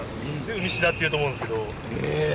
ウミシダっていうと思うんですけど。